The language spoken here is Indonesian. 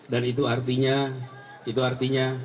dan itu artinya